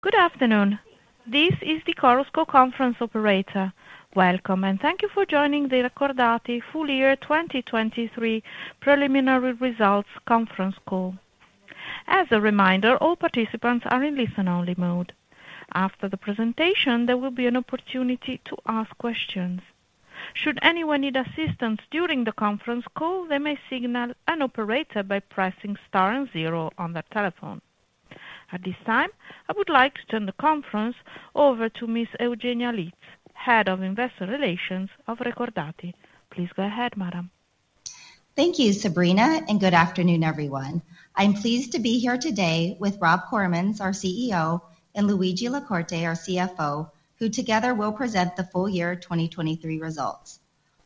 Good afternoon. This is the Chorus Call conference operator. Welcome, and thank you for joining the Recordati Full Year 2023 Preliminary Results Conference Call. As a reminder, all participants are in listen-only mode. After the presentation, there will be an opportunity to ask questions. Should anyone need assistance during the conference call, they may signal an operator by pressing star and 0 on their telephone. At this time, I would like to turn the conference over to Ms. Eugenia Litz, Head of Investor Relations of Recordati. Please go ahead, madam. Thank you, Sabrina, and good afternoon, everyone. I'm pleased to be here today with Rob Koremans, our CEO, and Luigi La Corte, our CFO, who together will present the Full Year 2023 results.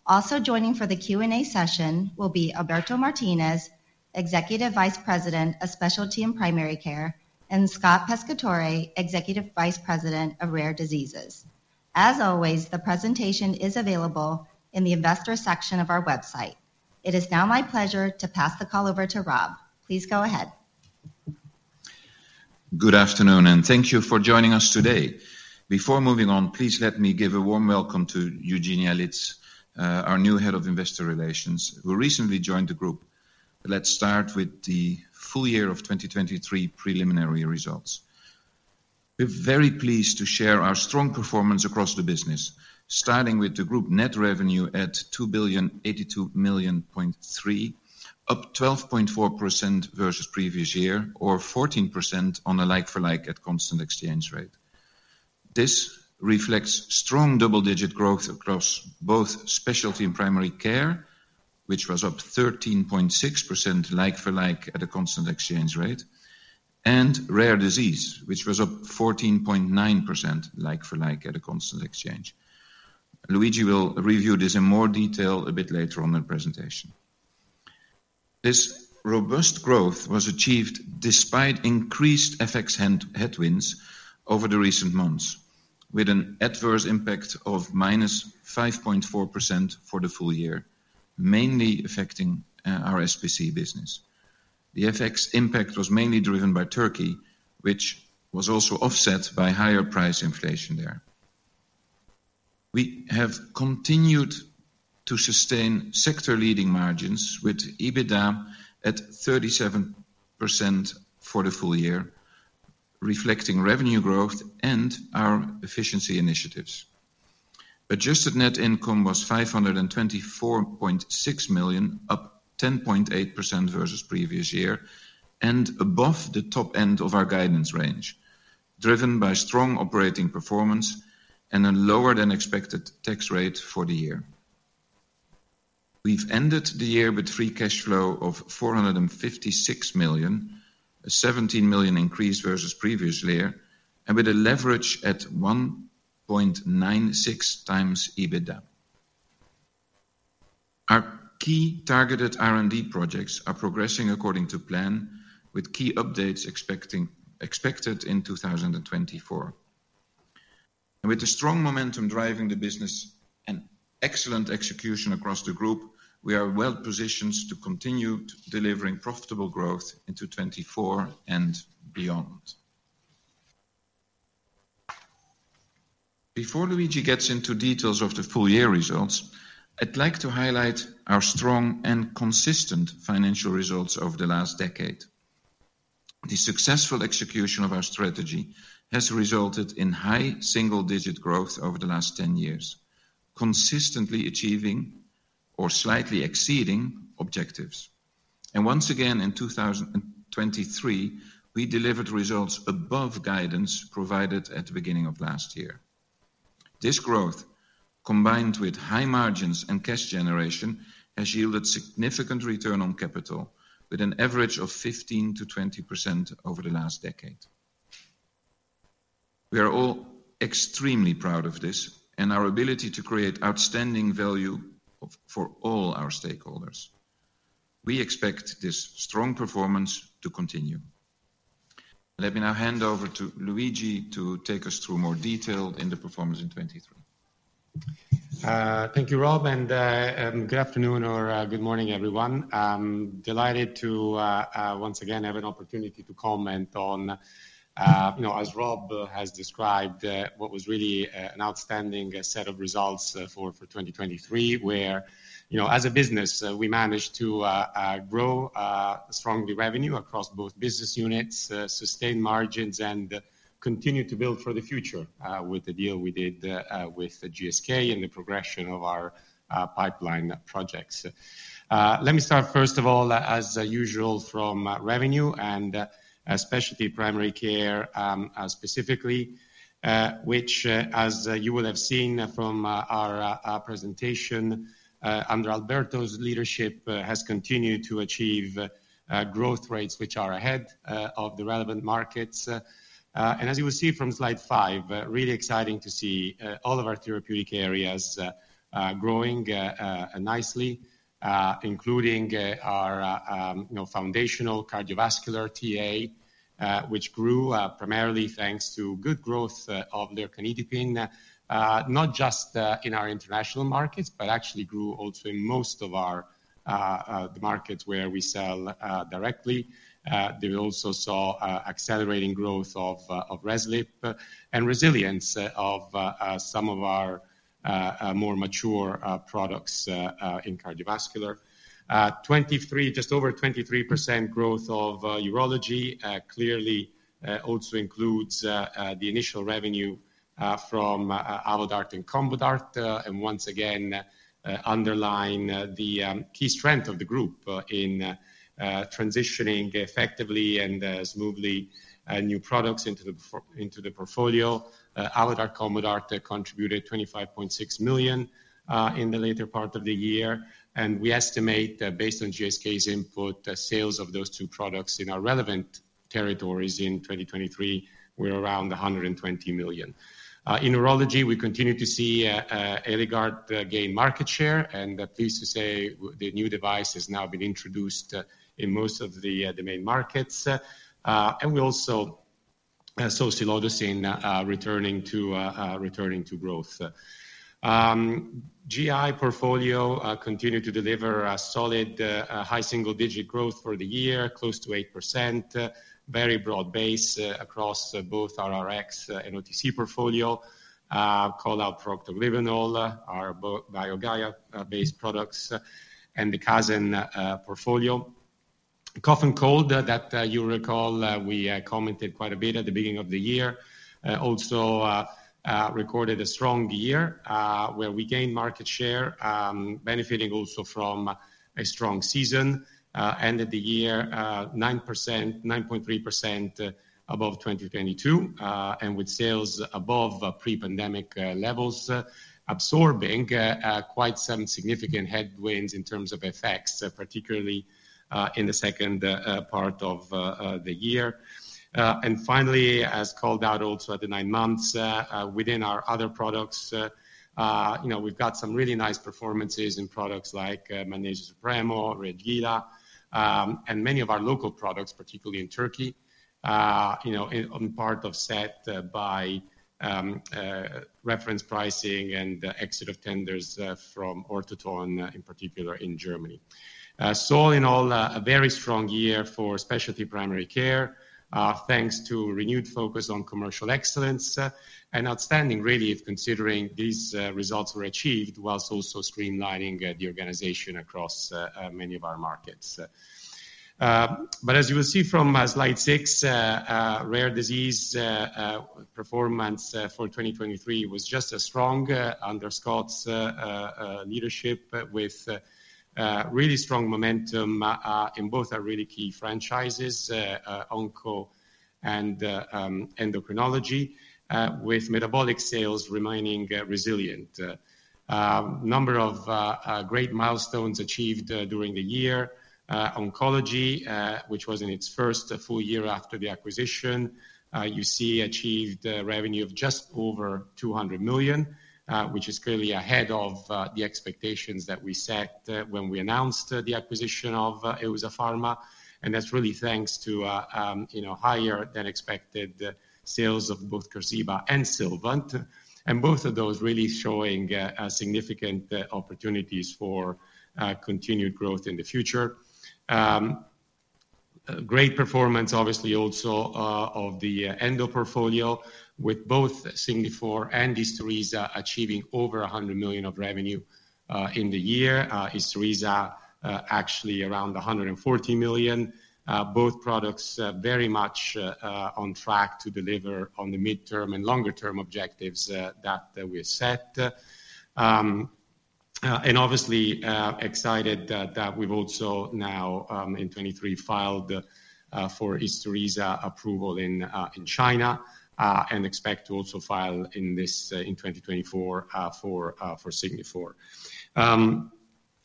Also joining for the Q&A session will be Alberto Martinez, Executive Vice President of Specialty and Primary Care, and Scott Pescatore, Executive Vice President of Rare Diseases. As always, the presentation is available in the Investor section of our website. It is now my pleasure to pass the call over to Rob. Please go ahead. Good afternoon, and thank you for joining us today. Before moving on, please let me give a warm welcome to Eugenia Litz, our new Head of Investor Relations, who recently joined the group. Let's start with the full year of 2023 preliminary results. We're very pleased to share our strong performance across the business, starting with the group net revenue at 2.823 billion, up 12.4% versus previous year, or 14% on a like-for-like at constant exchange rate. This reflects strong double-digit growth across both specialty and primary care, which was up 13.6% like-for-like at a constant exchange rate, and rare disease, which was up 14.9% like-for-like at a constant exchange. Luigi will review this in more detail a bit later on the presentation. This robust growth was achieved despite increased FX headwinds over the recent months, with an adverse impact of -5.4% for the full year, mainly affecting our SPC business. The FX impact was mainly driven by Turkey, which was also offset by higher price inflation there. We have continued to sustain sector-leading margins with EBITDA at 37% for the full year, reflecting revenue growth and our efficiency initiatives. Adjusted net income was 524.6 million, up 10.8% versus previous year, and above the top end of our guidance range, driven by strong operating performance and a lower-than-expected tax rate for the year. We've ended the year with free cash flow of 456 million, a 17 million increase versus previous year, and with a leverage at 1.96x EBITDA. Our key targeted R&D projects are progressing according to plan, with key updates expected in 2024. With the strong momentum driving the business and excellent execution across the group, we are well positioned to continue delivering profitable growth into 2024 and beyond. Before Luigi gets into details of the full-year results, I'd like to highlight our strong and consistent financial results over the last decade. The successful execution of our strategy has resulted in high single-digit growth over the last 10 years, consistently achieving or slightly exceeding objectives. And once again, in 2023, we delivered results above guidance provided at the beginning of last year. This growth, combined with high margins and cash generation, has yielded significant return on capital, with an average of 15%-20% over the last decade. We are all extremely proud of this and our ability to create outstanding value for all our stakeholders. We expect this strong performance to continue. Let me now hand over to Luigi to take us through more detail in the performance in 2023. Thank you, Rob, and good afternoon or good morning, everyone. Delighted to once again have an opportunity to comment on, as Rob has described, what was really an outstanding set of results for 2023, where as a business, we managed to grow strongly revenue across both business units, sustain margins, and continue to build for the future with the deal we did with GSK and the progression of our pipeline projects. Let me start, first of all, as usual, from revenue and Specialty Primary Care specifically, which, as you will have seen from our presentation under Alberto's leadership, has continued to achieve growth rates which are ahead of the relevant markets. And as you will see from slide 5, really exciting to see all of our therapeutic areas growing nicely, including our foundational cardiovascular TA, which grew primarily thanks to good growth of lercanidipine, not just in our international markets, but actually grew also in most of the markets where we sell directly. They also saw accelerating growth of Reselip and resilience of some of our more mature products in cardiovascular. Just over 23% growth of urology clearly also includes the initial revenue from Avodart and Combodart, and once again underline the key strength of the group in transitioning effectively and smoothly new products into the portfolio. Avodart and Combodart contributed 25.6 million in the later part of the year, and we estimate, based on GSK's input, sales of those two products in our relevant territories in 2023 were around 120 million. In urology, we continue to see Eligard gain market share, and pleased to say the new device has now been introduced in most of the main markets, and we also saw Silodosin returning to growth. GI portfolio continued to deliver solid high single-digit growth for the year, close to 8%, very broad base across both our Rx and OTC portfolio, Procto-Glyvenol, our BioGaia-based products, and the Casen portfolio. Cough and Cold, that you recall we commented quite a bit at the beginning of the year, also recorded a strong year where we gained market share, benefiting also from a strong season, ended the year 9.3% above 2022, and with sales above pre-pandemic levels, absorbing quite some significant headwinds in terms of FX, particularly in the second part of the year. And finally, as called out also at the nine months, within our other products, we've got some really nice performances in products like Magnesio Supremo, Reagila, and many of our local products, particularly in Turkey, in part offset by reference pricing and exit of tenders from Ortoton, in particular in Germany. So all in all, a very strong year for specialty primary care, thanks to renewed focus on commercial excellence and outstanding, really, if considering these results were achieved whilst also streamlining the organization across many of our markets. But as you will see from slide 6, rare disease performance for 2023 was just as strong under Scott's leadership, with really strong momentum in both our really key franchises, onco and endocrinology, with metabolic sales remaining resilient. A number of great milestones achieved during the year. Oncology, which was in its first full year after the acquisition, you see achieved revenue of just over 200 million, which is clearly ahead of the expectations that we set when we announced the acquisition of EUSA Pharma, and that's really thanks to higher-than-expected sales of both Qarziba and Sylvant, and both of those really showing significant opportunities for continued growth in the future. Great performance, obviously, also of the endo portfolio, with both Signifor and Isturisa achieving over 100 million of revenue in the year. Isturisa actually around 140 million, both products very much on track to deliver on the mid-term and longer-term objectives that we set. And obviously excited that we've also now, in 2023, filed for Isturisa approval in China and expect to also file in this in 2024 for Signifor.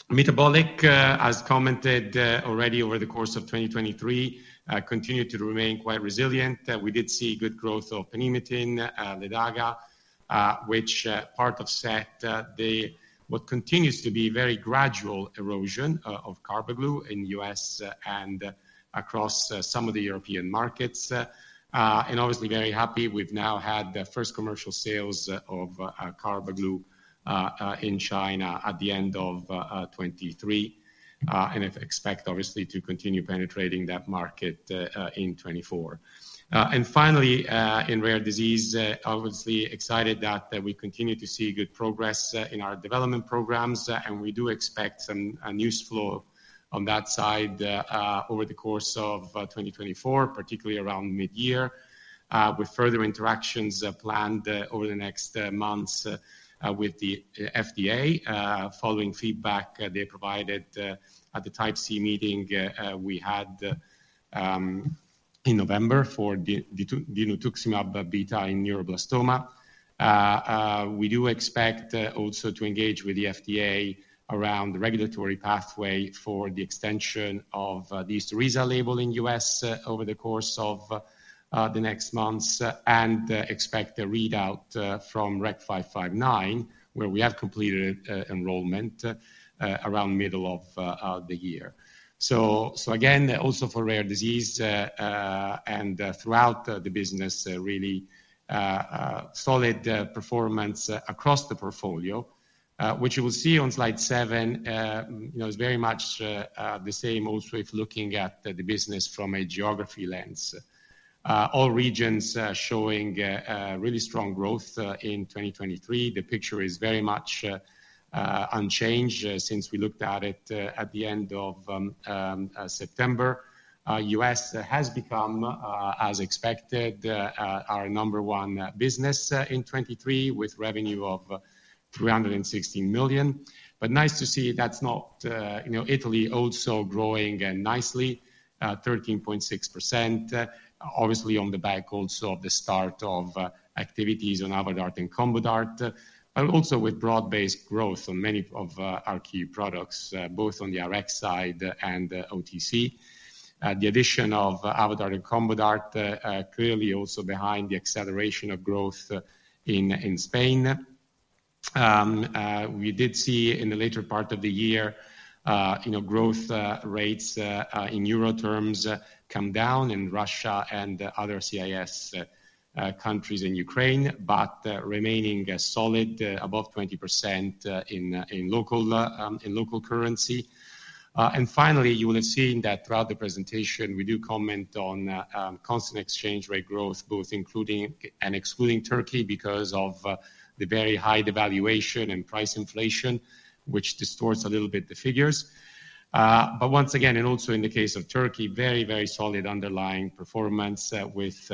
Metabolic, as commented already over the course of 2023, continued to remain quite resilient. We did see good growth of Panhematin, Ledaga, which part offset what continues to be very gradual erosion of Carbaglu in the U.S. and across some of the European markets. Obviously very happy, we've now had the first commercial sales of Carbaglu in China at the end of 2023, and expect, obviously, to continue penetrating that market in 2024. Finally, in rare disease, obviously excited that we continue to see good progress in our development programs, and we do expect some news flow on that side over the course of 2024, particularly around mid-year, with further interactions planned over the next months with the FDA, following feedback they provided at the Type C meeting we had in November for Dinutuximab beta in neuroblastoma. We do expect also to engage with the FDA around the regulatory pathway for the extension of the Isturisa label in the US over the course of the next months and expect a readout from REC 0559, where we have completed enrollment around middle of the year. Again, also for rare disease and throughout the business, really solid performance across the portfolio, which you will see on slide 7 is very much the same also if looking at the business from a geography lens. All regions showing really strong growth in 2023. The picture is very much unchanged since we looked at it at the end of September. US has become, as expected, our number one business in 2023 with revenue of 316 million. Nice to see that's not Italy also growing nicely, 13.6%, obviously on the back also of the start of activities on Avodart and Combodart, but also with broad-based growth on many of our key products, both on the Rx side and OTC. The addition of Avodart and Combodart clearly also behind the acceleration of growth in Spain. We did see in the later part of the year growth rates in euro terms come down in Russia and other CIS countries in Ukraine, but remaining solid above 20% in local currency. Finally, you will have seen that throughout the presentation, we do comment on constant exchange rate growth, both including and excluding Turkey because of the very high devaluation and price inflation, which distorts a little bit the figures. Once again, and also in the case of Turkey, very, very solid underlying performance with,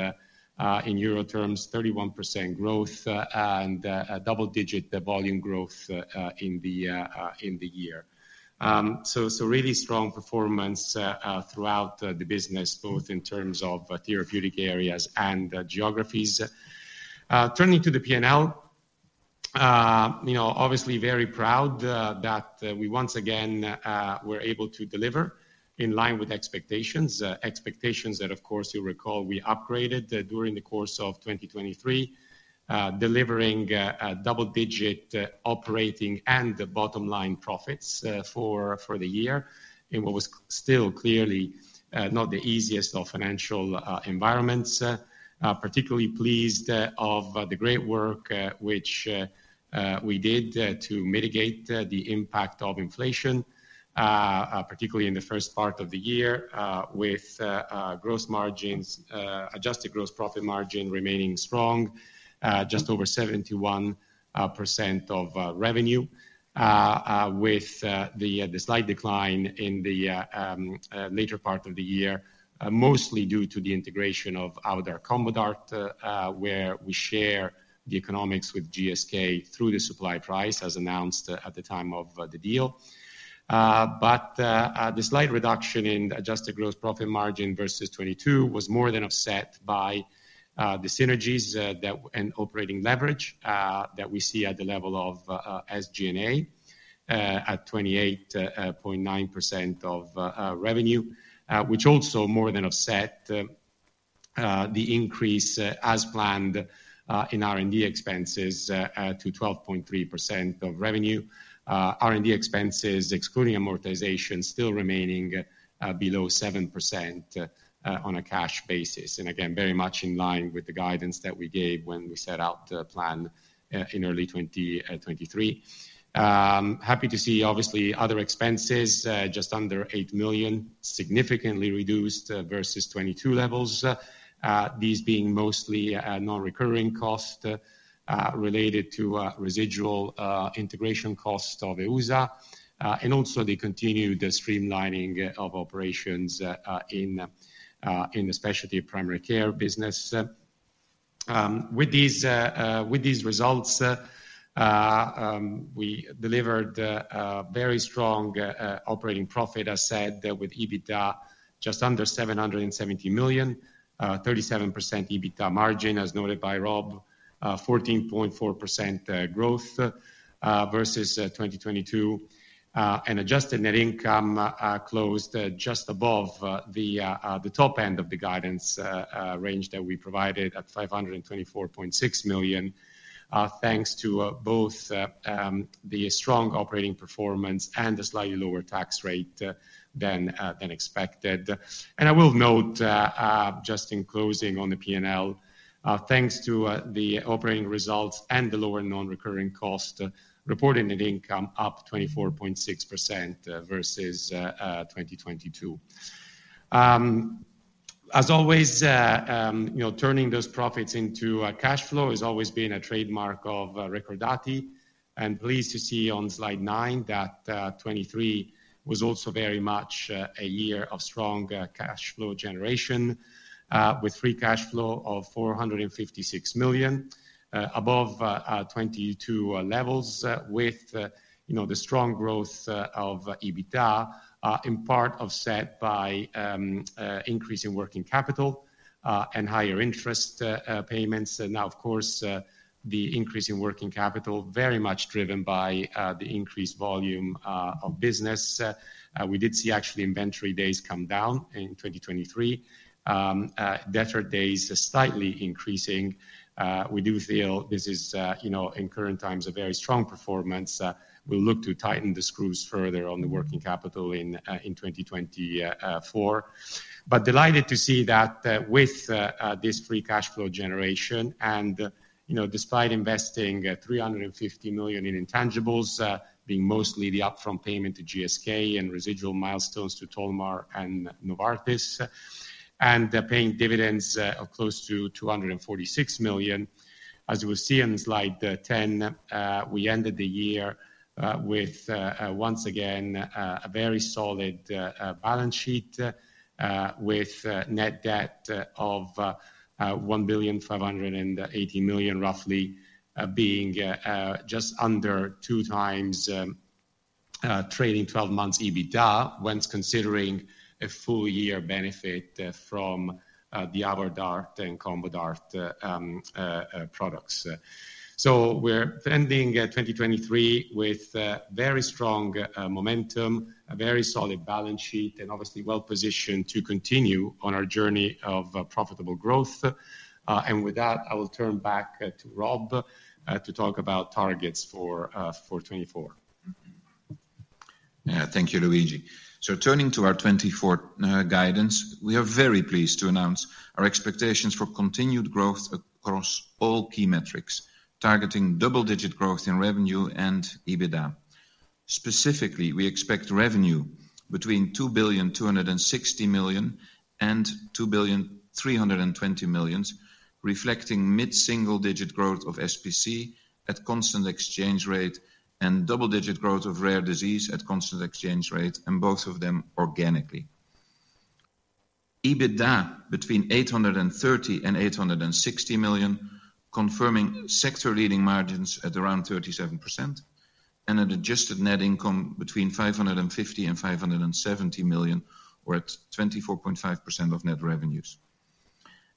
in euro terms, 31% growth and double-digit volume growth in the year. So really strong performance throughout the business, both in terms of therapeutic areas and geographies. Turning to the P&L, obviously very proud that we once again were able to deliver in line with expectations, expectations that, of course, you'll recall we upgraded during the course of 2023, delivering double-digit operating and bottom-line profits for the year in what was still clearly not the easiest of financial environments. Particularly pleased of the great work which we did to mitigate the impact of inflation, particularly in the first part of the year, with adjusted gross profit margin remaining strong, just over 71% of revenue, with the slight decline in the later part of the year, mostly due to the integration of Avodart and Combodart, where we share the economics with GSK through the supply price, as announced at the time of the deal. But the slight reduction in adjusted gross profit margin versus 2022 was more than offset by the synergies and operating leverage that we see at the level of SG&A at 28.9% of revenue, which also more than offset the increase as planned in R&D expenses to 12.3% of revenue. R&D expenses, excluding amortization, still remaining below 7% on a cash basis, and again, very much in line with the guidance that we gave when we set out the plan in early 2023. Happy to see, obviously, other expenses just under 8 million, significantly reduced versus 2022 levels, these being mostly non-recurring costs related to residual integration costs of EUSA, and also the continued streamlining of operations in the specialty primary care business. With these results, we delivered very strong operating profit, as said, with EBITDA just under 770 million, 37% EBITDA margin, as noted by Rob, 14.4% growth versus 2022, and adjusted net income closed just above the top end of the guidance range that we provided at 524.6 million, thanks to both the strong operating performance and the slightly lower tax rate than expected. And I will note, just in closing on the P&L, thanks to the operating results and the lower non-recurring cost, reported net income up 24.6% versus 2022. As always, turning those profits into cash flow has always been a trademark of Recordati, and pleased to see on slide 9 that 2023 was also very much a year of strong cash flow generation, with free cash flow of 456 million, above 2022 levels, with the strong growth of EBITDA, in part offset by increasing working capital and higher interest payments. Now, of course, the increase in working capital very much driven by the increased volume of business. We did see, actually, inventory days come down in 2023, debtor days slightly increasing. We do feel this is, in current times, a very strong performance. We'll look to tighten the screws further on the working capital in 2024. But delighted to see that with this free cash flow generation and despite investing 350 million in intangibles, being mostly the upfront payment to GSK and residual milestones to Tolmar and Novartis, and paying dividends of close to 246 million. As you will see on slide 10, we ended the year with, once again, a very solid balance sheet, with net debt of 1.58 billion roughly, being just under two times trailing 12 months EBITDA, when considering a full-year benefit from the Avodart and Combodart products. So we're ending 2023 with very strong momentum, a very solid balance sheet, and obviously well-positioned to continue on our journey of profitable growth. And with that, I will turn back to Rob to talk about targets for 2024. Yeah, thank you, Luigi. So turning to our 2024 guidance, we are very pleased to announce our expectations for continued growth across all key metrics, targeting double-digit growth in revenue and EBITDA. Specifically, we expect revenue between 2.26 billion and 2.32 billion, reflecting mid-single-digit growth of SPC at constant exchange rate and double-digit growth of rare disease at constant exchange rate, and both of them organically. EBITDA between 830 million and 860 million, confirming sector-leading margins at around 37%, and an adjusted net income between 550 million and 570 million, or at 24.5% of net revenues.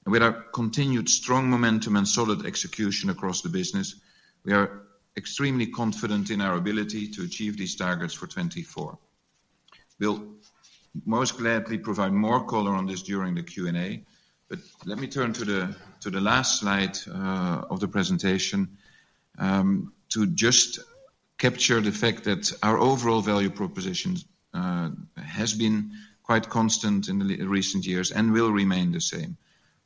And with our continued strong momentum and solid execution across the business, we are extremely confident in our ability to achieve these targets for 2024. We'll most gladly provide more color on this during the Q&A, but let me turn to the last slide of the presentation to just capture the fact that our overall value proposition has been quite constant in the recent years and will remain the same.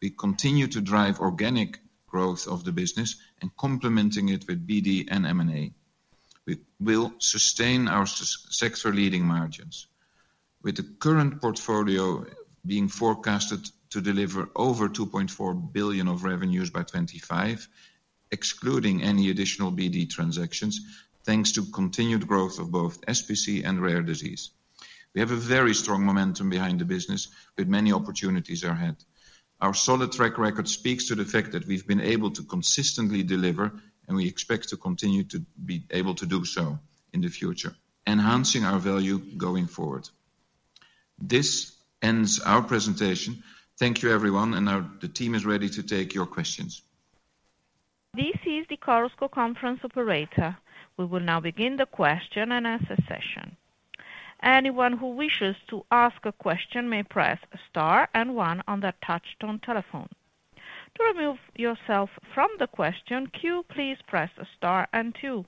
We continue to drive organic growth of the business and complementing it with BD and M&A. We will sustain our sector-leading margins, with the current portfolio being forecasted to deliver over 2.4 billion of revenues by 2025, excluding any additional BD transactions, thanks to continued growth of both SPC and rare disease. We have a very strong momentum behind the business, with many opportunities ahead. Our solid track record speaks to the fact that we've been able to consistently deliver, and we expect to continue to be able to do so in the future, enhancing our value going forward. This ends our presentation. Thank you, everyone, and the team is ready to take your questions. This is the Chorus Call Conference Operator. We will now begin the question-and-answer session. Anyone who wishes to ask a question may press star and one on their touch-tone telephone. To remove yourself from the question queue, please press star and two.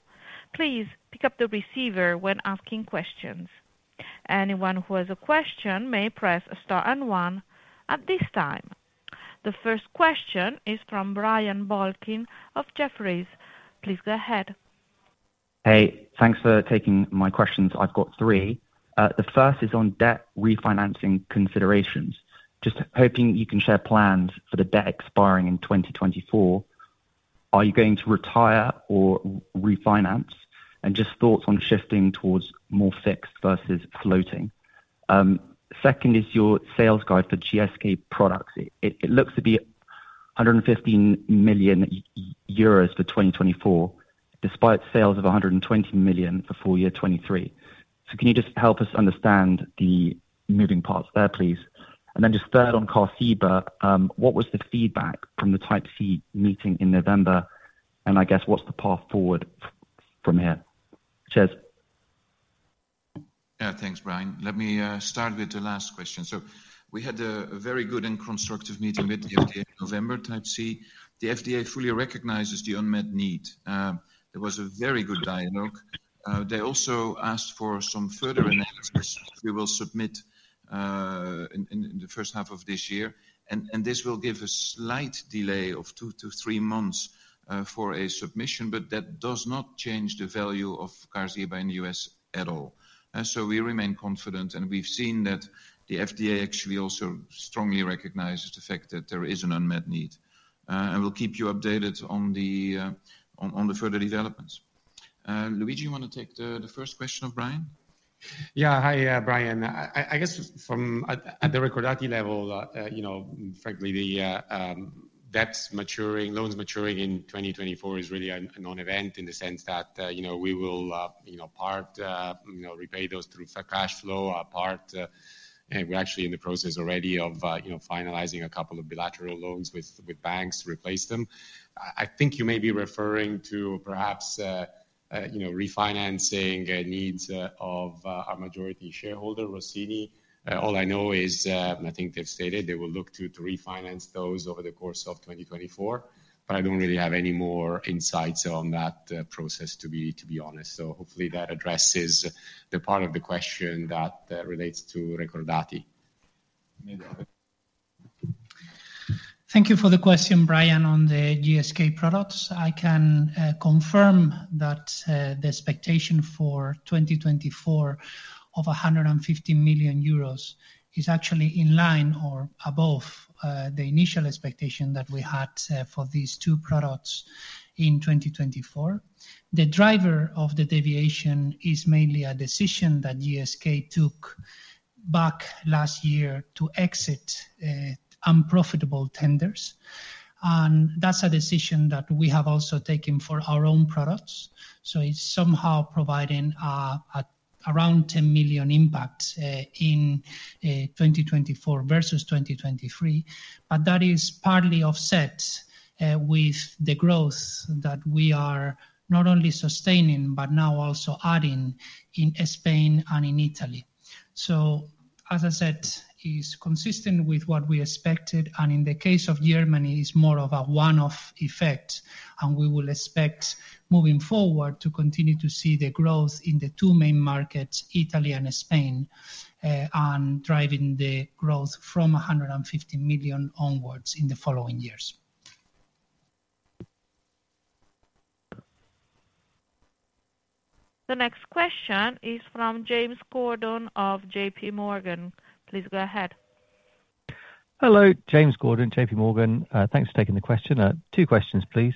Please pick up the receiver when asking questions. Anyone who has a question may press star and one at this time. The first question is from Brian Balchin of Jefferies. Please go ahead. Hey, thanks for taking my questions. I've got three. The first is on debt refinancing considerations, just hoping you can share plans for the debt expiring in 2024. Are you going to retire or refinance? And just thoughts on shifting towards more fixed versus floating. Second is your sales guide for GSK products. It looks to be 115 million euros for 2024, despite sales of 120 million for full year 2023. So can you just help us understand the moving parts there, please? And then just third on Qarziba, what was the feedback from the Type C meeting in November, and I guess what's the path forward from here? Chaz. Yeah, thanks, Brian. Let me start with the last question. So we had a very good and constructive meeting with the FDA in November, Type C. The FDA fully recognizes the unmet need. There was a very good dialogue. They also asked for some further analysis which we will submit in the first half of this year, and this will give a slight delay of two to three months for a submission, but that does not change the value of Qarziba in the US at all. So we remain confident, and we've seen that the FDA actually also strongly recognizes the fact that there is an unmet need. And we'll keep you updated on the further developments. Luigi, you want to take the first question of Brian? Yeah, hi, Brian. I guess at the Recordati level, frankly, the debts maturing, loans maturing in 2024 is really a non-event in the sense that we will part repay those through cash flow, part and we're actually in the process already of finalizing a couple of bilateral loans with banks to replace them. I think you may be referring to perhaps refinancing needs of our majority shareholder, Rossini. All I know is, and I think they've stated, they will look to refinance those over the course of 2024, but I don't really have any more insights on that process, to be honest. So hopefully, that addresses the part of the question that relates to Recordati. Thank you for the question, Brian, on the GSK products. I can confirm that the expectation for 2024 of 115 million euros is actually in line or above the initial expectation that we had for these two products in 2024. The driver of the deviation is mainly a decision that GSK took back last year to exit unprofitable tenders. That's a decision that we have also taken for our own products. It's somehow providing around 10 million impact in 2024 versus 2023, but that is partly offset with the growth that we are not only sustaining but now also adding in Spain and in Italy. So, as I said, it's consistent with what we expected, and in the case of Germany, it's more of a one-off effect, and we will expect moving forward to continue to see the growth in the two main markets, Italy and Spain, and driving the growth from 115 million onwards in the following years. The next question is from James Gordon of JP Morgan. Please go ahead. Hello, James Gordon, J.P. Morgan. Thanks for taking the question. Two questions, please.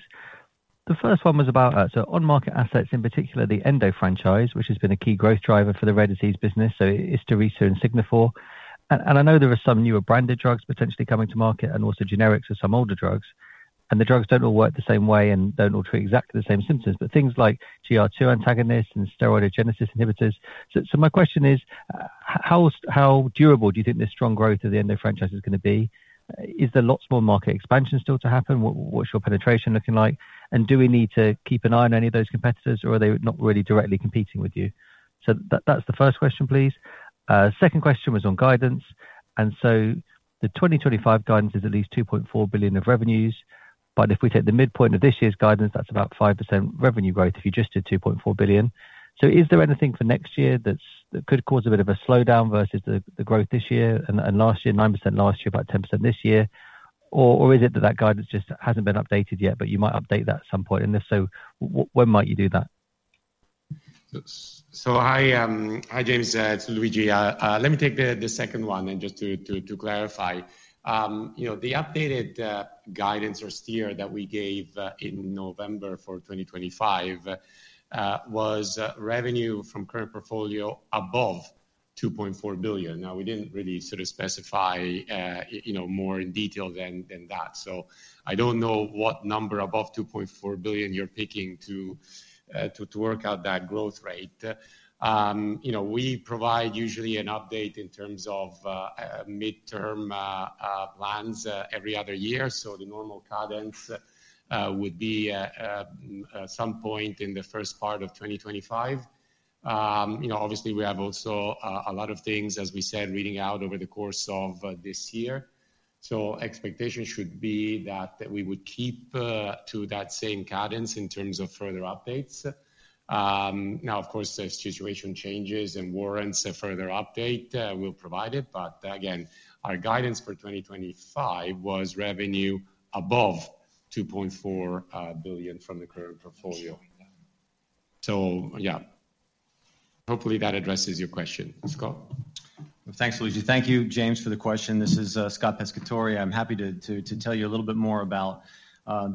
The first one was about on-market assets, in particular the Endo franchise, which has been a key growth driver for the rare disease business, so Isturisa and Signifor. And I know there are some newer branded drugs potentially coming to market and also generics of some older drugs. And the drugs don't all work the same way and don't all treat exactly the same symptoms, but things like GR2 antagonists and steroidogenesis inhibitors. So my question is, how durable do you think this strong growth of the Endo franchise is going to be? Is there lots more market expansion still to happen? What's your penetration looking like? And do we need to keep an eye on any of those competitors, or are they not really directly competing with you? So that's the first question, please. Second question was on guidance. So the 2025 guidance is at least 2.4 billion of revenues, but if we take the midpoint of this year's guidance, that's about 5% revenue growth if you just did 2.4 billion. So is there anything for next year that could cause a bit of a slowdown versus the growth this year? Last year, 9% last year, about 10% this year. Or is it that that guidance just hasn't been updated yet, but you might update that at some point? And if so, when might you do that? So hi, James. It's Luigi. Let me take the second one and just to clarify. The updated guidance or steer that we gave in November for 2025 was revenue from current portfolio above 2.4 billion. Now, we didn't really sort of specify more in detail than that. So I don't know what number above 2.4 billion you're picking to work out that growth rate. We provide usually an update in terms of midterm plans every other year. So the normal cadence would be at some point in the first part of 2025. Obviously, we have also a lot of things, as we said, reading out over the course of this year. So expectations should be that we would keep to that same cadence in terms of further updates. Now, of course, if situation changes and warrants a further update, we'll provide it. Again, our guidance for 2025 was revenue above 2.4 billion from the current portfolio. Yeah, hopefully, that addresses your question. Scott? Thanks, Luigi. Thank you, James, for the question. This is Scott Pescatore. I'm happy to tell you a little bit more about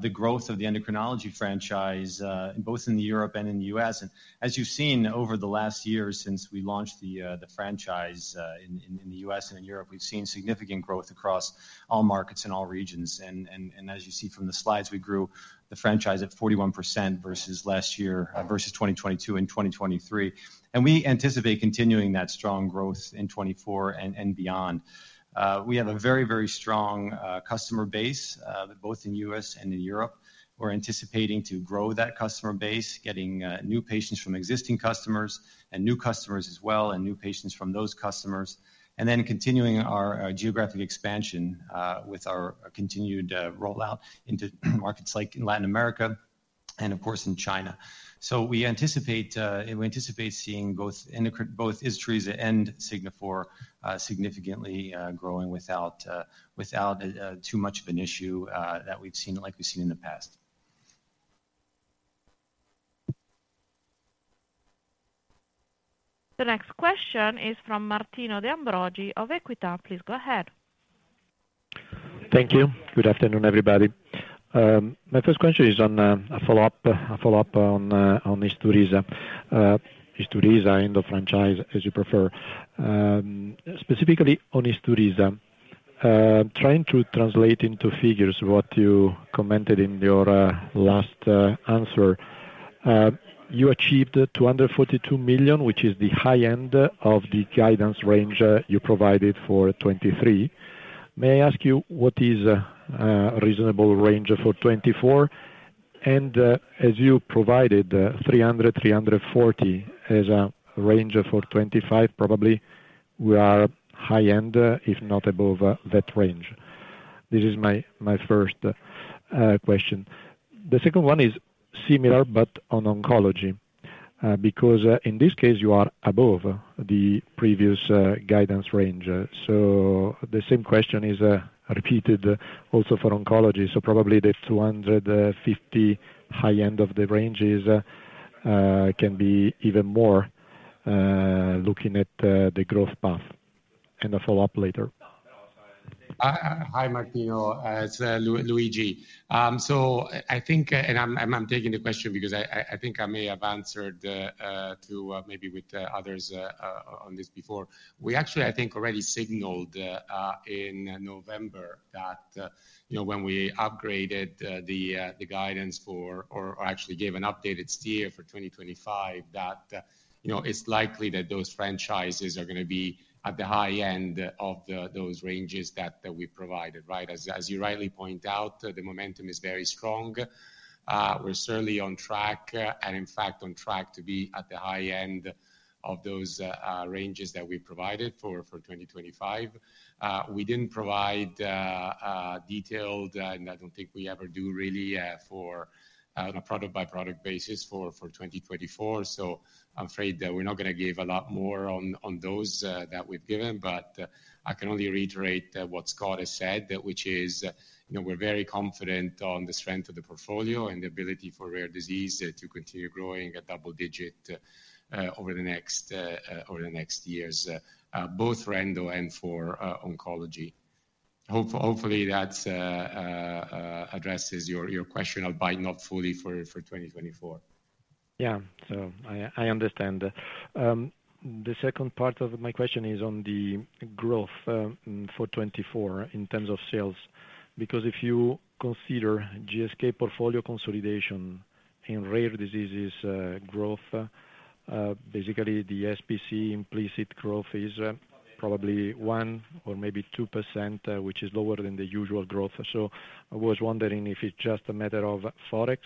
the growth of the endocrinology franchise both in Europe and in the U.S. As you've seen over the last year since we launched the franchise in the U.S. and in Europe, we've seen significant growth across all markets and all regions. As you see from the slides, we grew the franchise at 41% versus last year versus 2022 and 2023. We anticipate continuing that strong growth in 2024 and beyond. We have a very, very strong customer base both in the U.S. and in Europe. We're anticipating to grow that customer base, getting new patients from existing customers and new customers as well and new patients from those customers, and then continuing our geographic expansion with our continued rollout into markets like Latin America and, of course, in China. So we anticipate seeing both Isturisa and Signifor significantly growing without too much of an issue that we've seen like we've seen in the past. The next question is from Martino De Ambroggi of Equita. Please go ahead. Thank you. Good afternoon, everybody. My first question is a follow-up on Isturisa, Isturisa, endo franchise, as you prefer. Specifically on Isturisa, trying to translate into figures what you commented in your last answer, you achieved 242 million, which is the high end of the guidance range you provided for 2023. May I ask you what is a reasonable range for 2024? And as you provided 300 million-340 million as a range for 2025, probably we are high end, if not above that range. This is my first question. The second one is similar but on oncology because in this case, you are above the previous guidance range. So the same question is repeated also for oncology. So probably the 250 million high end of the ranges can be even more looking at the growth path and a follow-up later. Hi, Martino. It's Luigi. So I think and I'm taking the question because I think I may have answered to maybe with others on this before. We actually, I think, already signaled in November that when we upgraded the guidance for or actually gave an updated steer for 2025, that it's likely that those franchises are going to be at the high end of those ranges that we provided, right? As you rightly point out, the momentum is very strong. We're certainly on track and, in fact, on track to be at the high end of those ranges that we provided for 2025. We didn't provide detailed, and I don't think we ever do really on a product-by-product basis for 2024. So I'm afraid that we're not going to give a lot more on those that we've given. But I can only reiterate what Scott has said, which is we're very confident on the strength of the portfolio and the ability for rare disease to continue growing at double-digit over the next years, both for Endo and for oncology. Hopefully, that addresses your question, but not fully for 2024. Yeah, so I understand. The second part of my question is on the growth for 2024 in terms of sales because if you consider GSK portfolio consolidation in rare diseases growth, basically, the SPC implicit growth is probably 1% or maybe 2%, which is lower than the usual growth. So I was wondering if it's just a matter of Forex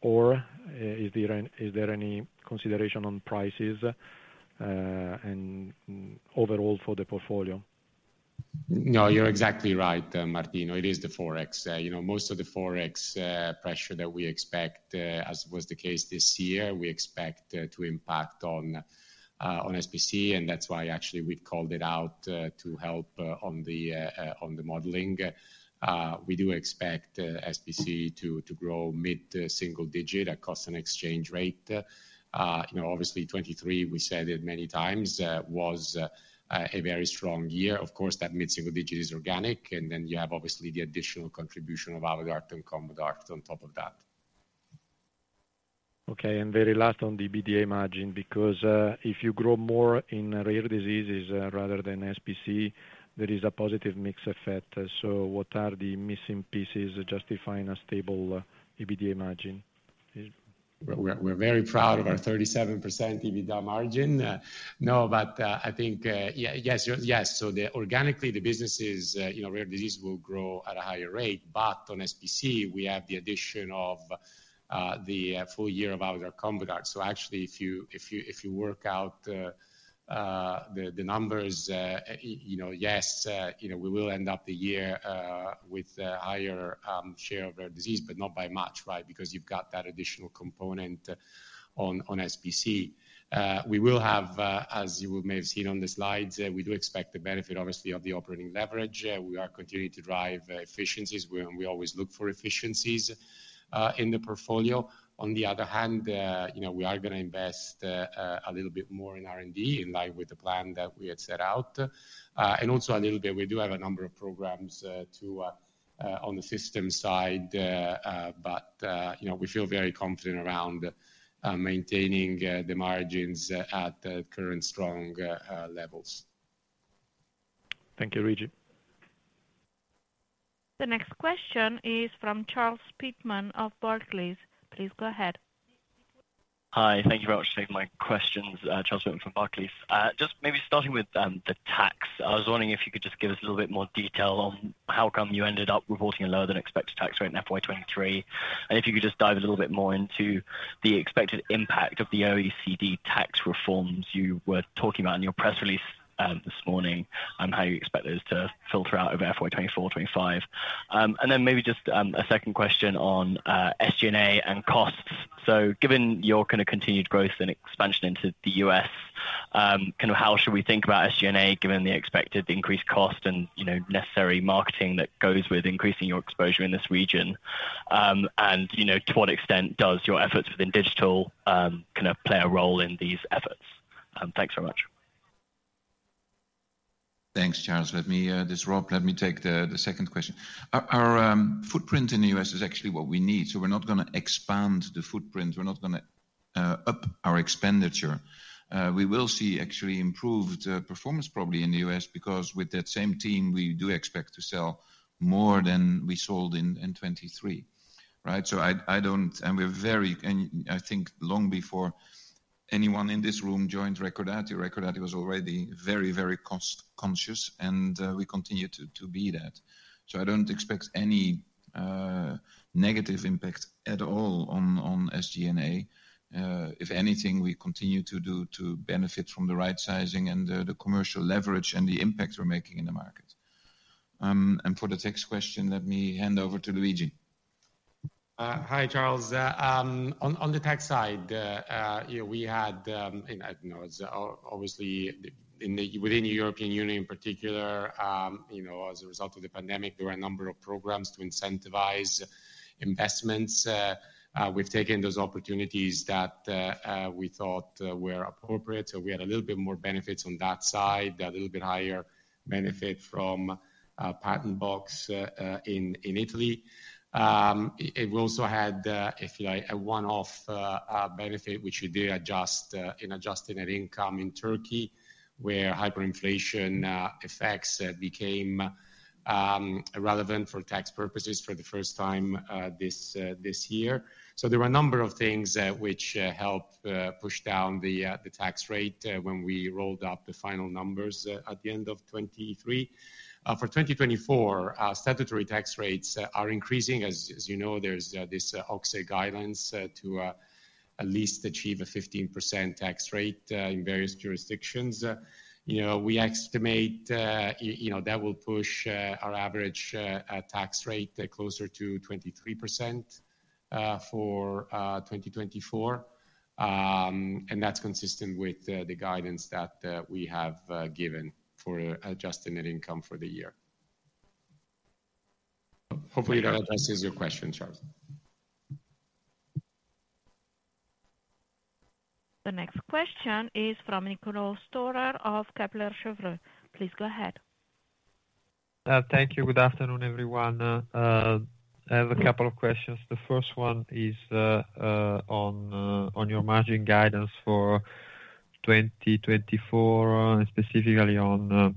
or is there any consideration on prices and overall for the portfolio? No, you're exactly right, Martino. It is the Forex. Most of the Forex pressure that we expect, as was the case this year, we expect to impact on SPC, and that's why actually we've called it out to help on the modeling. We do expect SPC to grow mid-single digit at cost and exchange rate. Obviously, 2023, we said it many times, was a very strong year. Of course, that mid-single digit is organic, and then you have, obviously, the additional contribution of Avodart and Combodart on top of that. Okay, and very last on the EBITDA margin because if you grow more in rare diseases rather than SPC, there is a positive mix effect. So what are the missing pieces justifying a stable EBITDA margin? We're very proud of our 37% EBITDA margin. No, but I think yes, yes. So organically, the businesses, rare disease, will grow at a higher rate. But on SPC, we have the addition of the full year of Avodart and Combodart. So actually, if you work out the numbers, yes, we will end up the year with a higher share of rare disease, but not by much, right, because you've got that additional component on SPC. We will have, as you may have seen on the slides, we do expect the benefit, obviously, of the operating leverage. We are continuing to drive efficiencies. We always look for efficiencies in the portfolio. On the other hand, we are going to invest a little bit more in R&D in line with the plan that we had set out. And also a little bit, we do have a number of programs on the system side, but we feel very confident around maintaining the margins at current strong levels. Thank you, Luigi. The next question is from Charles Pitman of Barclays. Please go ahead. Hi. Thank you very much for taking my questions, Charles Pitman from Barclays. Just maybe starting with the tax, I was wondering if you could just give us a little bit more detail on how come you ended up reporting a lower-than-expected tax rate in FY23 and if you could just dive a little bit more into the expected impact of the OECD tax reforms you were talking about in your press release this morning and how you expect those to filter out over FY24/25? And then maybe just a second question on SG&A and costs. So given your kind of continued growth and expansion into the U.S., kind of how should we think about SG&A given the expected increased cost and necessary marketing that goes with increasing your exposure in this region? And to what extent does your efforts within digital kind of play a role in these efforts? Thanks very much. Thanks, Charles. Let me interrupt. Let me take the second question. Our footprint in the U.S. is actually what we need. So we're not going to expand the footprint. We're not going to up our expenditure. We will see actually improved performance, probably, in the U.S. because with that same team, we do expect to sell more than we sold in 2023, right? So I don't, and we're very, and I think long before anyone in this room joined Recordati, Recordati was already very, very cost-conscious, and we continue to be that. So I don't expect any negative impact at all on SG&A. If anything, we continue to benefit from the right-sizing and the commercial leverage and the impact we're making in the market. And for the tax question, let me hand over to Luigi. Hi, Charles. On the tax side, we had obviously, within the European Union in particular, as a result of the pandemic, there were a number of programs to incentivize investments. We've taken those opportunities that we thought were appropriate. So we had a little bit more benefits on that side, a little bit higher benefit from Patent Box in Italy. We also had, if you like, a one-off benefit, which we did in adjusting our income in Turkey where hyperinflation effects became relevant for tax purposes for the first time this year. So there were a number of things which helped push down the tax rate when we rolled up the final numbers at the end of 2023. For 2024, statutory tax rates are increasing. As you know, there's this OECD guidance to at least achieve a 15% tax rate in various jurisdictions. We estimate that will push our average tax rate closer to 23% for 2024. That's consistent with the guidance that we have given for adjusting that income for the year. Hopefully, that addresses your question, Charles. The next question is from Niccolo Storer of Kepler Cheuvreux. Please go ahead. Thank you. Good afternoon, everyone. I have a couple of questions. The first one is on your margin guidance for 2024 and specifically on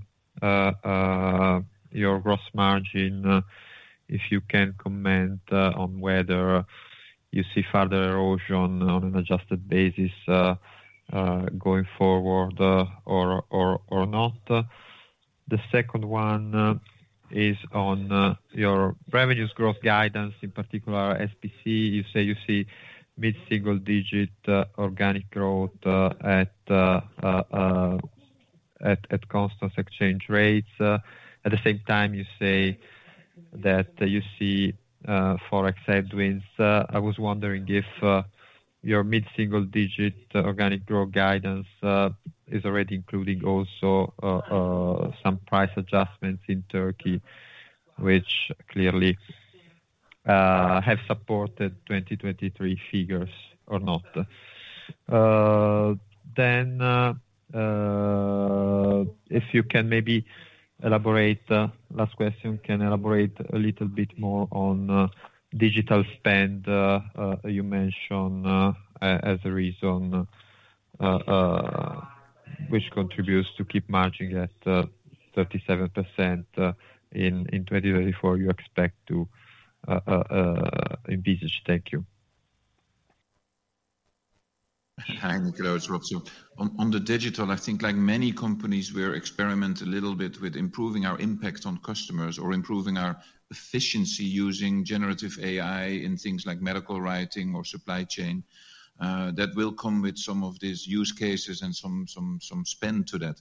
your gross margin, if you can comment on whether you see further erosion on an adjusted basis going forward or not. The second one is on your revenues growth guidance, in particular, SPC. You say you see mid-single-digit organic growth at constant exchange rates. At the same time, you say that you see Forex headwinds. I was wondering if your mid-single-digit organic growth guidance is already including also some price adjustments in Turkey, which clearly have supported 2023 figures or not. Then, if you can maybe elaborate last question, can elaborate a little bit more on digital spend you mentioned as a reason which contributes to keep margin at 37% in 2024 you expect to envisage. Thank you. Hi, Nicolas. On the digital, I think like many companies, we're experimenting a little bit with improving our impact on customers or improving our efficiency using Generative AI in things like medical writing or supply chain. That will come with some of these use cases and some spend to that.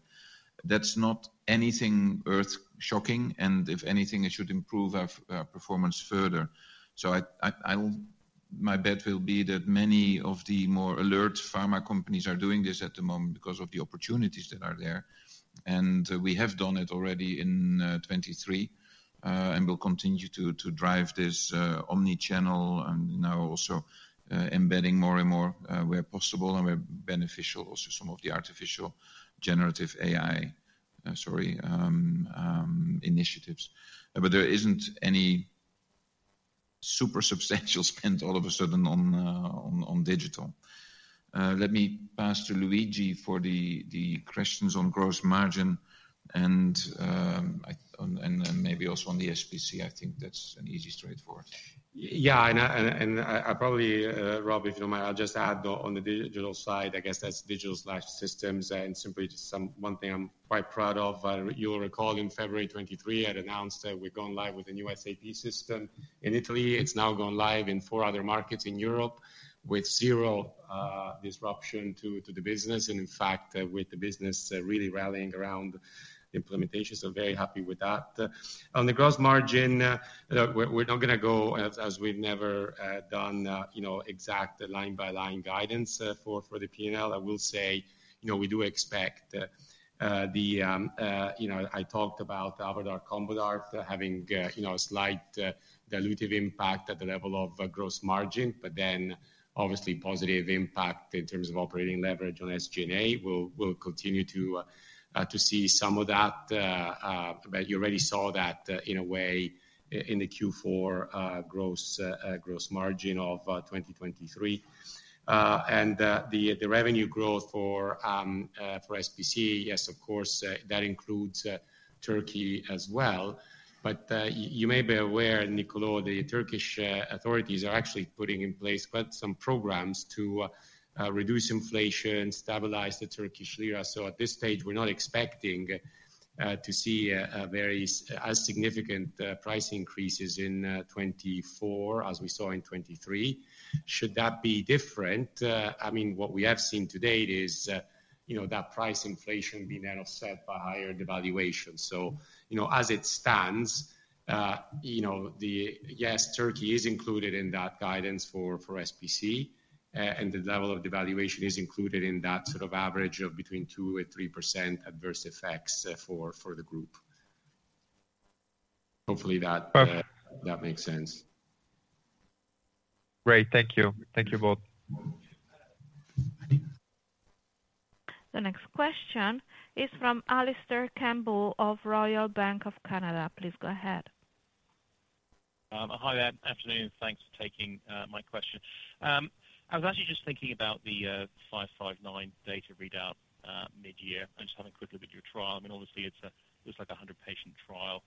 That's not anything earth-shocking. If anything, it should improve our performance further. My bet will be that many of the more alert pharma companies are doing this at the moment because of the opportunities that are there. We have done it already in 2023 and will continue to drive this omnichannel and now also embedding more and more where possible and where beneficial also some of the artificial Generative AI, sorry, initiatives. There isn't any super substantial spend all of a sudden on digital. Let me pass to Luigi for the questions on gross margin and maybe also on the SPC. I think that's an easy straightforward. Yeah, and I probably, Rob, if you don't mind, I'll just add on the digital side, I guess that's digital/systems and simply just one thing I'm quite proud of. You'll recall in February 2023, I'd announced that we're gone live with a new SAP system in Italy. It's now gone live in four other markets in Europe with zero disruption to the business and, in fact, with the business really rallying around implementation. So very happy with that. On the gross margin, we're not going to go, as we've never done, exact line-by-line guidance for the P&L. I will say we do expect the I talked about Avodart and Combodart having a slight dilutive impact at the level of gross margin, but then obviously positive impact in terms of operating leverage on SG&A. We'll continue to see some of that. But you already saw that in a way in the Q4 gross margin of 2023. And the revenue growth for SPC, yes, of course, that includes Turkey as well. But you may be aware, Nicolas, the Turkish authorities are actually putting in place quite some programs to reduce inflation, stabilize the Turkish lira. So at this stage, we're not expecting to see as significant price increases in 2024 as we saw in 2023. Should that be different? I mean, what we have seen to date is that price inflation being then offset by higher devaluation. So as it stands, yes, Turkey is included in that guidance for SPC, and the level of devaluation is included in that sort of average of between 2% and 3% adverse effects for the group. Hopefully, that makes sense. Great. Thank you. Thank you both. The next question is from Alistair Campbell of Royal Bank of Canada. Please go ahead. Hi there. Afternoon. Thanks for taking my question. I was actually just thinking about the REC 0559 data readout mid-year and just having a quick look at your trial. I mean, obviously, it looks like a 100-patient trial.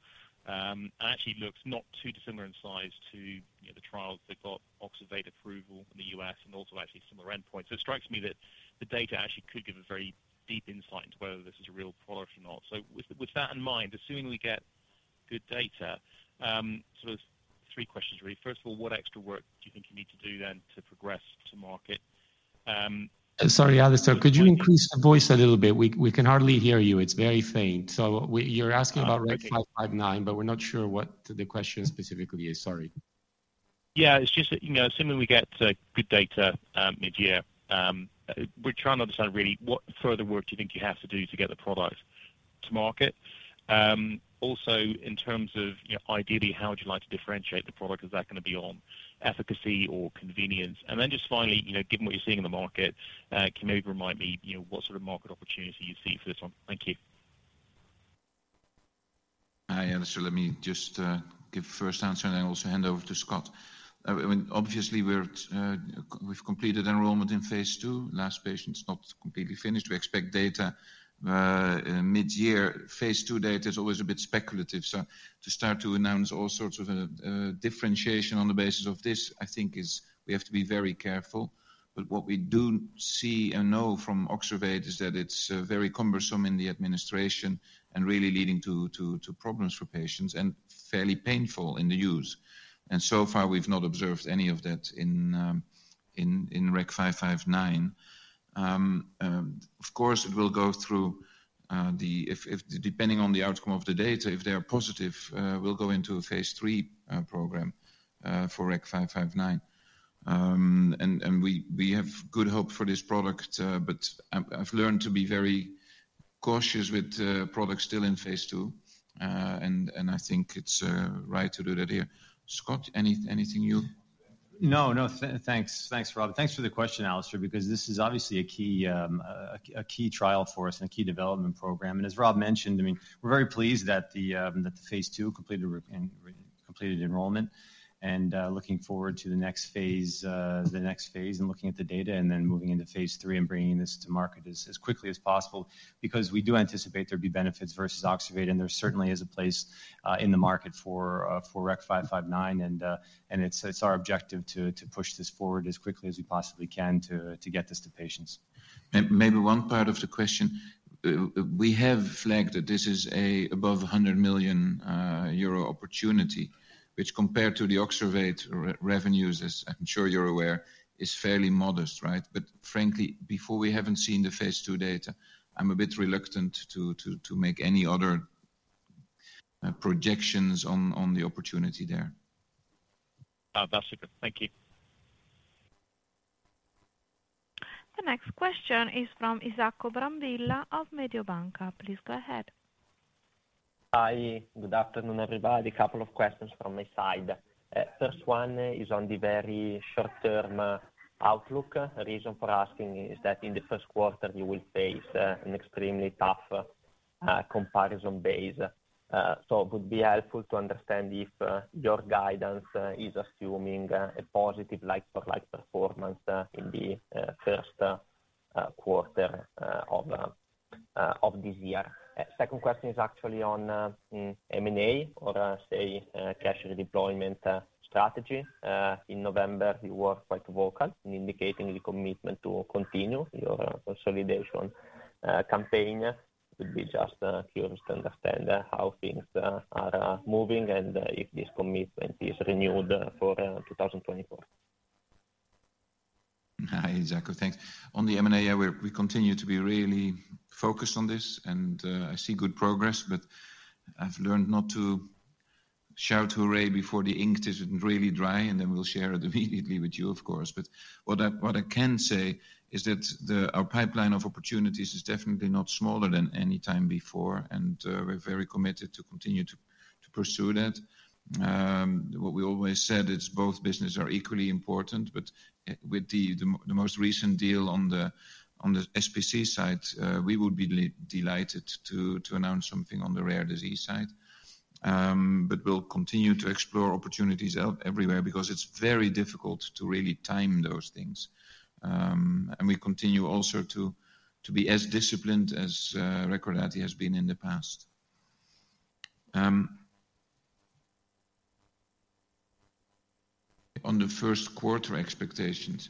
And it actually looks not too dissimilar in size to the trials that got Oxervate approval in the U.S. and also actually similar endpoints. So it strikes me that the data actually could give a very deep insight into whether this is a real product or not. So with that in mind, assuming we get good data, sort of 3 questions really. First of all, what extra work do you think you need to do then to progress to market? Sorry, Alistair, could you increase the voice a little bit? We can hardly hear you. It's very faint. So you're asking about REC 0559, but we're not sure what the question specifically is. Sorry. Yeah, it's just assuming we get good data mid-year, we're trying to understand really what further work do you think you have to do to get the product to market? Also, in terms of ideally, how would you like to differentiate the product? Is that going to be on efficacy or convenience? And then just finally, given what you're seeing in the market, can you maybe remind me what sort of market opportunity you see for this one? Thank you. Hi, Alistair. Let me just give first answer and then also hand over to Scott. I mean, obviously, we've completed enrollment in phase two. Last patient's not completely finished. We expect data mid-year. Phase two data is always a bit speculative. So to start to announce all sorts of differentiation on the basis of this, I think we have to be very careful. But what we do see and know from Oxervate is that it's very cumbersome in the administration and really leading to problems for patients and fairly painful in the use. And so far, we've not observed any of that in REC 0559. Of course, it will go through the, depending on the outcome of the data, if they are positive, we'll go into a phase three program for REC 0559. We have good hope for this product, but I've learned to be very cautious with products still in phase two. I think it's right to do that here. Scott, anything new? No, no. Thanks, Rob. Thanks for the question, Alistair, because this is obviously a key trial for us and a key development program. As Rob mentioned, I mean, we're very pleased that the phase two completed enrollment and looking forward to the next phase and looking at the data and then moving into phase three and bringing this to market as quickly as possible because we do anticipate there'll be benefits versus Oxervate. There certainly is a place in the market for REC 0559. It's our objective to push this forward as quickly as we possibly can to get this to patients. Maybe one part of the question. We have flagged that this is an above 100 million euro opportunity, which compared to the Oxervate revenues, as I'm sure you're aware, is fairly modest, right? But frankly, before we haven't seen the phase 2 data, I'm a bit reluctant to make any other projections on the opportunity there. That's a good thank you. The next question is from Isacco Brambilla of Mediobanca. Please go ahead. Hi. Good afternoon, everybody. Couple of questions from my side. First one is on the very short-term outlook. The reason for asking is that in the first quarter, you will face an extremely tough comparison base. So it would be helpful to understand if your guidance is assuming a positive like-for-like performance in the first quarter of this year. Second question is actually on M&A or, say, cash redeployment strategy. In November, you were quite vocal in indicating the commitment to continue your consolidation campaign. We'd be just curious to understand how things are moving and if this commitment is renewed for 2024. Hi, Isacco. Thanks. On the M&A year, we continue to be really focused on this. And I see good progress, but I've learned not to shout hooray before the ink isn't really dry. And then we'll share it immediately with you, of course. But what I can say is that our pipeline of opportunities is definitely not smaller than anytime before. And we're very committed to continue to pursue that. What we always said, it's both businesses are equally important. But with the most recent deal on the SPC side, we would be delighted to announce something on the rare disease side. But we'll continue to explore opportunities everywhere because it's very difficult to really time those things. And we continue also to be as disciplined as Recordati has been in the past. On the first-quarter expectations,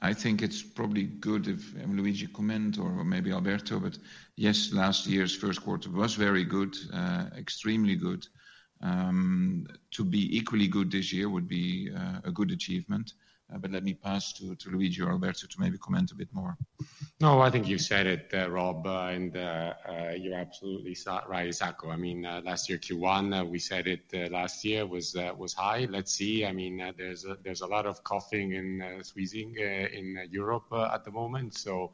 I think it's probably good if Luigi comments or maybe Alberto, but yes, last year's first quarter was very good, extremely good. To be equally good this year would be a good achievement. But let me pass to Luigi or Alberto to maybe comment a bit more. No, I think you've said it, Rob, and you're absolutely right, Isacco. I mean, last year Q1, we said it last year was high. Let's see. I mean, there's a lot of coughing and squeezing in Europe at the moment. So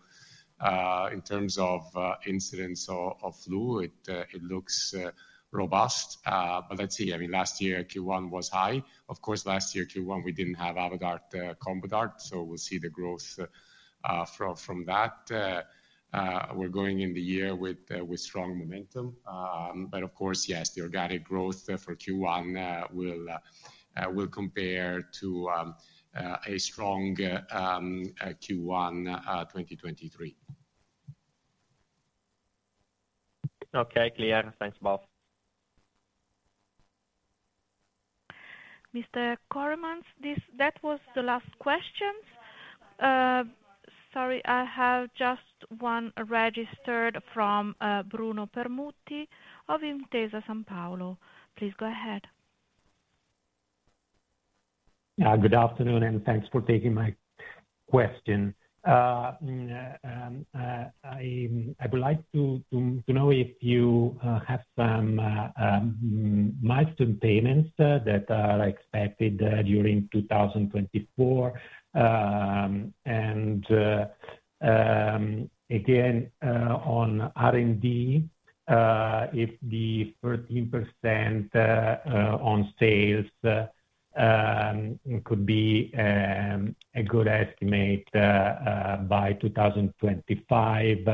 in terms of incidence of flu, it looks robust. But let's see. I mean, last year Q1 was high. Of course, last year Q1, we didn't have Avodart and Combodart. So we'll see the growth from that. We're going in the year with strong momentum. But of course, yes, the organic growth for Q1 will compare to a strong Q1 2023. Okay, clear. Thanks, Bob. Mr. Koremans, that was the last question. Sorry, I have just one registered from Bruno Permutti of Intesa Sanpaolo. Please go ahead. Yeah, good afternoon and thanks for taking my question. I would like to know if you have some milestone payments that are expected during 2024. And again, on R&D, if the 13% on sales could be a good estimate by 2025.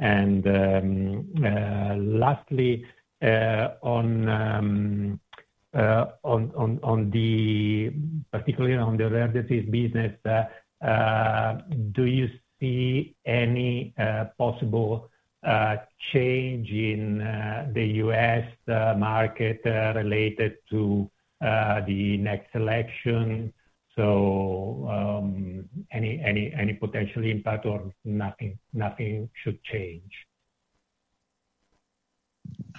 And lastly, particularly on the rare disease business, do you see any possible change in the U.S. market related to the next election? So any potential impact or nothing should change?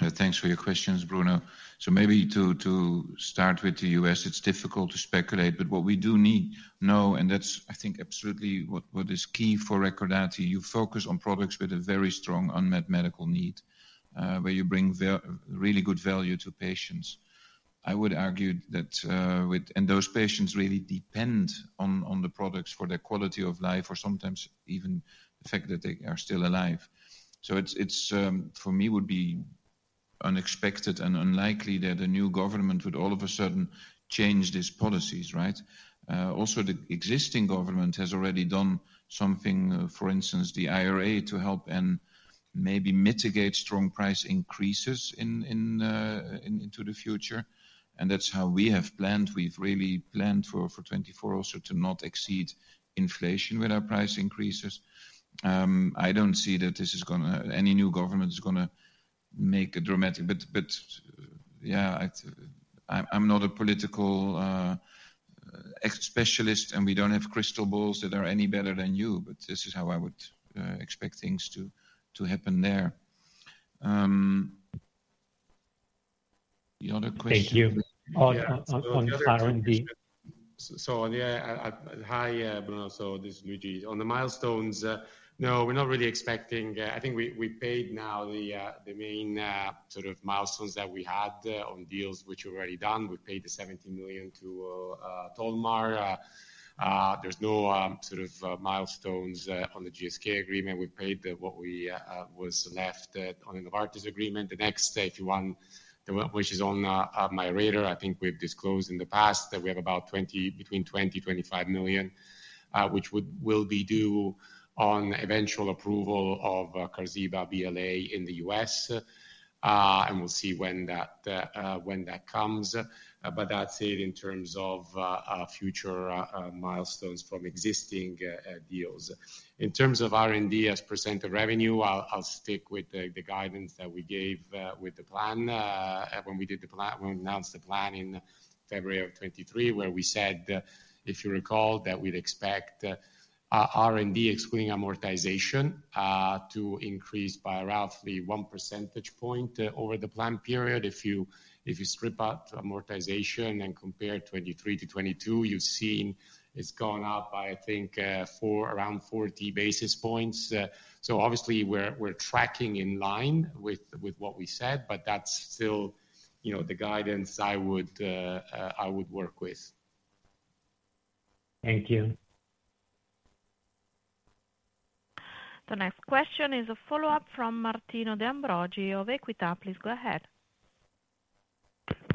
Thanks for your questions, Bruno. So maybe to start with the US, it's difficult to speculate. But what we do know, and that's, I think, absolutely what is key for Recordati, you focus on products with a very strong unmet medical need where you bring really good value to patients. I would argue that and those patients really depend on the products for their quality of life or sometimes even the fact that they are still alive. So it's, for me, would be unexpected and unlikely that a new government would all of a sudden change these policies, right? Also, the existing government has already done something, for instance, the IRA, to help and maybe mitigate strong price increases into the future. And that's how we have planned. We've really planned for 2024 also to not exceed inflation with our price increases. I don't see that this is going to. Any new government is going to make a dramatic, but yeah, I'm not a political specialist, and we don't have crystal balls that are any better than you. But this is how I would expect things to happen there. The other question. Thank you. On R&D. So yeah, hi, Bruno. So this is Luigi. On the milestones, no, we're not really expecting, I think, we paid now the main sort of milestones that we had on deals which were already done. We paid the 17 million to Tolmar. There's no sort of milestones on the GSK agreement. We paid what was left on the Novartis agreement. The next Q1, which is on my radar, I think we've disclosed in the past that we have about between 20 million and 25 million, which will be due on eventual approval of Qarziba BLA in the US. And we'll see when that comes. But that's it in terms of future milestones from existing deals. In terms of R&D as % of revenue, I'll stick with the guidance that we gave with the plan when we did the plan when we announced the plan in February of 2023, where we said, if you recall, that we'd expect R&D, excluding amortization, to increase by roughly 1 percentage point over the planned period. If you strip out amortization and compare 2023 to 2022, you've seen it's gone up by, I think, around 40 basis points. So obviously, we're tracking in line with what we said. But that's still the guidance I would work with. Thank you. The next question is a follow-up from Martino De Ambroggi of Equita. Please go ahead.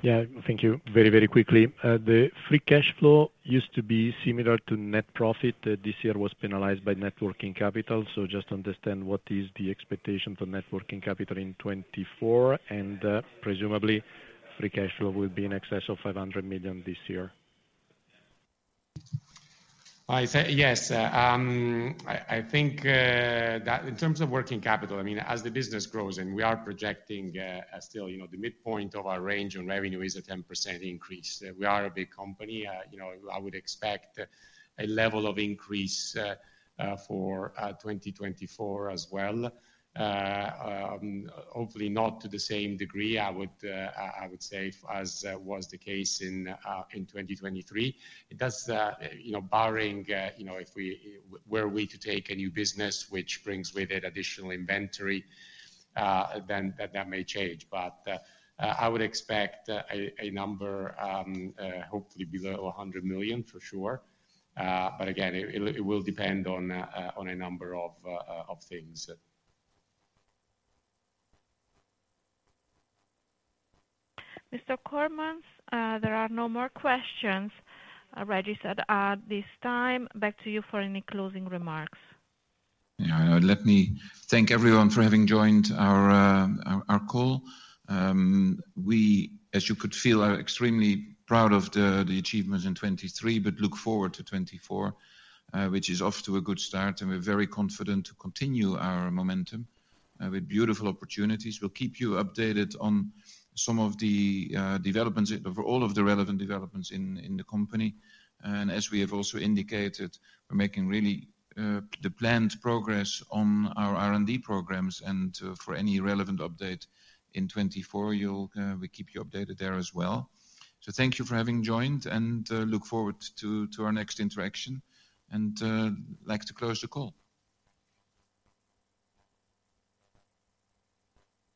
Yeah, thank you. Very, very quickly. The Free Cash Flow used to be similar to net profit. This year was penalized by working capital. So just understand what is the expectation for working capital in 2024. And presumably, Free Cash Flow will be in excess of 500 million this year. Yes. I think that in terms of working capital, I mean, as the business grows and we are projecting still the midpoint of our range on revenue is a 10% increase. We are a big company. I would expect a level of increase for 2024 as well. Hopefully, not to the same degree, I would say, as was the case in 2023. Barring if we were to take a new business, which brings with it additional inventory, then that may change. But I would expect a number, hopefully, below 100 million for sure. But again, it will depend on a number of things. Mr. Koremans, there are no more questions registered at this time. Back to you for any closing remarks. Yeah, let me thank everyone for having joined our call. We, as you could feel, are extremely proud of the achievements in 2023 but look forward to 2024, which is off to a good start. We're very confident to continue our momentum with beautiful opportunities. We'll keep you updated on some of the developments for all of the relevant developments in the company. As we have also indicated, we're making really the planned progress on our R&D programs. For any relevant update in 2024, we keep you updated there as well. Thank you for having joined. Look forward to our next interaction. Like to close the call.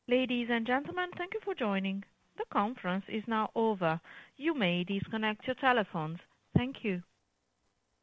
Ladies and gentlemen, thank you for joining. The conference is now over. You may disconnect your telephones. Thank you.